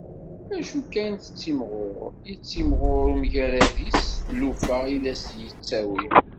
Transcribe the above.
Acu kan tettimɣur, yettimɣur umgarad-is d tlufa i d as-d-yettawi.